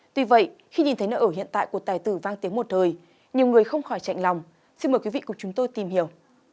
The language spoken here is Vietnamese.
tuy vậy khi nhìn thấy nơi ở hiện tại của tài tử vang tiếng một thời nhiều người không khỏi chạy lòng xin mời quý vị cùng chúng tôi tìm hiểu